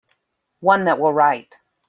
One that will write.